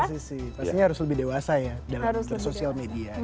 pastinya harus lebih dewasa ya dalam sosial media